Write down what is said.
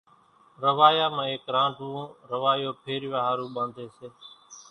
روايا مان ايڪ رانڍوون روايو ڦيرِوِيا ۿارُو ٻانڌيَ سي۔